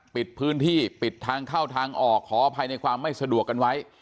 ปิดพื้นที่ปิดทางเข้าทางออกขออภัยในความไม่สะดวกกันไว้